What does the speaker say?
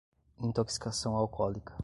intoxicação alcoólica